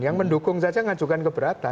yang mendukung saja mengajukan keberatan